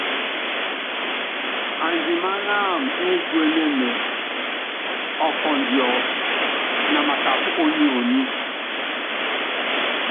Andimanámɛ étuénene ɔkɔndjɔ na makap ó nyonyi.